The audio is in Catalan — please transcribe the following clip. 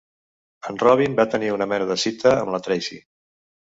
En Robin va tenir una mena de cita amb la Tracy.